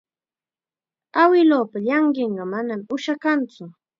Awiluupa llanqinqa manam ushakantsu.